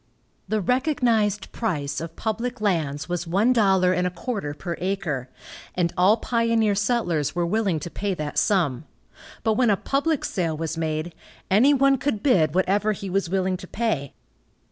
The recognized price of public lands was one dollar and a quarter per acre, and all pioneer settlers were willing to pay that sum, but when a public sale was made, any one could bid whatever he was willing to pay.